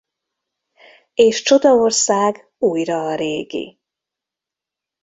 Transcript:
És csodaország újra a régi.